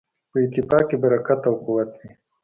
په اتفاق کې برکت او قوت وي.